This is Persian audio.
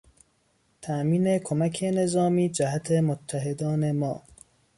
تامین کمک نظامی جهت متحدان ما